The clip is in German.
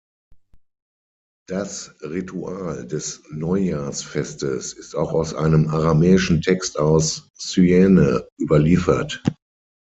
Das Ritual des Neujahrsfestes ist auch aus einem aramäischen Text aus Syene überliefert.